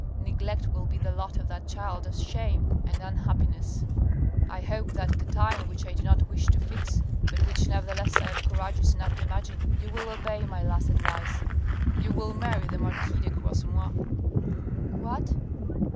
Neglect will be the lot of that child of shame and unhappiness. I hope that, at a time which I do not wish to fix, but which never theless I am courageous enough to imagine, you will obey my last advice : you will marry the marquis de Croisenois." " What